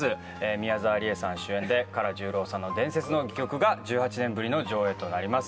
宮沢りえさん主演で唐十郎さんの伝説の戯曲が１８年ぶりの上演となります